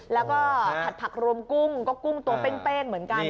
แล้วก็ผัดผักรวมกุ้งก็กุ้งตัวเป้งเหมือนกัน